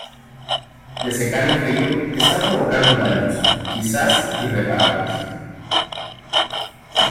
Desecar el río está provocando daños, quizás irreparables